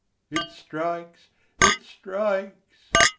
] O, it strikes, it strikes!